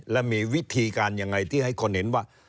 และมีวิธีการยังไงที่ให้คนเห็นว่า